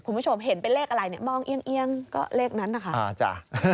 คุณผู้ชมเห็นเป็นเลขอะไรมองเอี้ยงก็เลขนั้นนะคะ